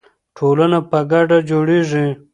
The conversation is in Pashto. ټولنه په ګډه جوړیږي.